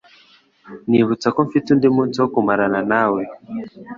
nibutsa ko mfite undi munsi wo kumarana nawe